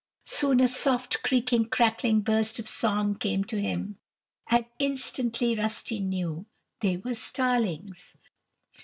Soon a soft, creaking, crackling burst of song came to him, and instantly Rusty knew they were starlings.